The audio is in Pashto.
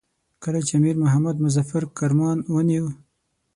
کله چې امیر محمد مظفر کرمان ونیوی.